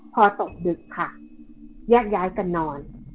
พอตกดึกค่ะแยกย้ายกันนอน